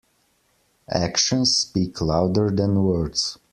Actions speak louder than words.